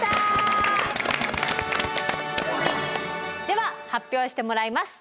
では発表してもらいます。